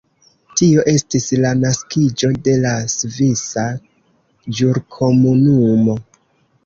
Tio estis la naskiĝo de la Svisa Ĵurkomunumo.